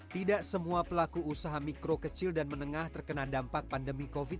tidak semua pelaku usaha mikro kecil dan menengah terkena dampak pandemi covid sembilan belas